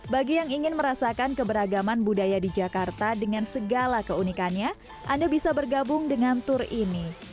bagi yang ingin merasakan keberagaman budaya di jakarta dengan segala keunikannya anda bisa bergabung dengan tur ini